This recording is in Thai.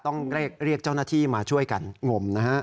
ต้องเรียกเจ้าหน้าที่มาช่วยกันงมนะฮะ